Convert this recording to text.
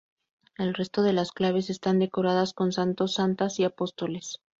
El resto de las claves están decoradas con santos, santas y apóstoles.